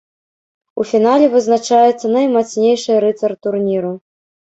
У фінале вызначаецца наймацнейшы рыцар турніру.